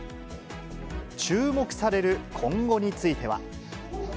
注目される今後については。